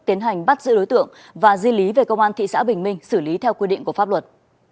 tiến hành bắt giữ đối tượng và di lý về công an thị xã bình minh xử lý theo quy định của pháp luật